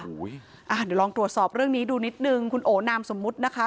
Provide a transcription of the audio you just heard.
เดี๋ยวลองตรวจสอบเรื่องนี้ดูนิดนึงคุณโอนามสมมุตินะคะ